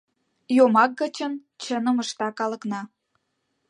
Йомак гычын чыным ышта калыкна.